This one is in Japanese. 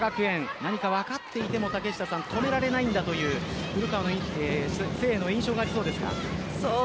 何か分かっていても止められないんだという誠英の印象はどうですか？